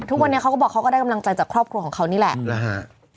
ทุกวันนี้เขาก็บอกเขาก็ได้กำลังใจจากครอบครัวของเขานี่แหละนะฮะ